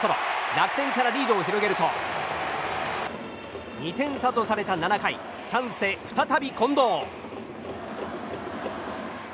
楽天からリードを広げると２点差とされた７回チャンスで再び近藤。